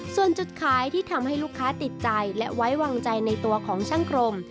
ส่วนจุดขายที่ทำให้ลูกค้าติดใจและไว้วางใจในตัวของช่างกรม